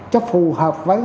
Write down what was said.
cho phù hợp với